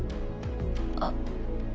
あっ。